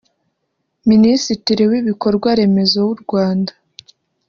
Minisitiri w’ibikorwa remezo w’u Rwanda